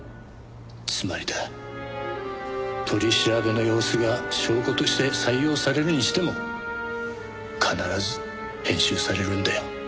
つまりだ取り調べの様子が証拠として採用されるにしても必ず編集されるんだよ。